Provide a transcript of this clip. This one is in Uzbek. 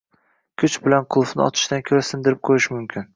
Kuch bilan qulfni ochishdan ko‘ra sindirib qo‘yish mumkin.